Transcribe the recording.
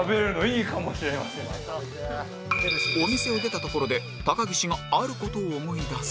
お店を出たところで高岸がある事を思い出す